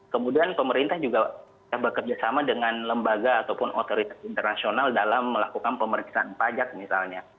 kemudian pemerintah juga bekerjasama dengan lembaga ataupun otoritas internasional dalam melakukan pemeriksaan pajak misalnya